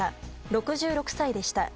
６６歳でした。